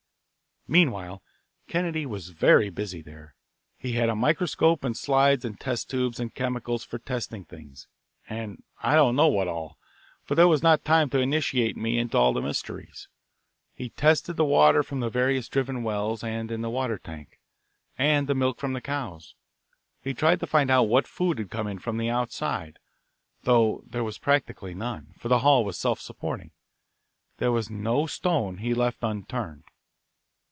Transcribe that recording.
Meanwhile, Kennedy was very busy there. He had a microscope and slides and test tubes and chemicals for testing things, and I don't know what all, for there was not time to initiate me into all the mysteries. He tested the water from the various driven wells and in the water tank, and the milk from the cows; he tried to find out what food had come in from outside, though there was practically none, for the hall was self supporting. There was no stone he left unturned.